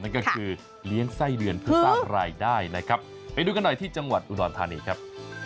นั่นก็คือเลี้ยงไส้เดือนเพื่อสร้างรายได้นะครับไปดูกันหน่อยที่จังหวัดอุดรธานีครับ